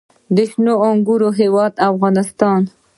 د شنو انګورو هیواد افغانستان.